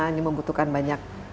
ini membutuhkan banyak